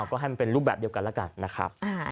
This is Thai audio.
ก็ให้มันเป็นรูปแบบเดียวกันแล้วกันนะครับ